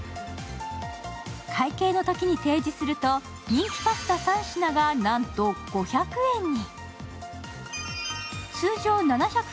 会計の時に提示すると、人気パスタ３品がなんと５００円に。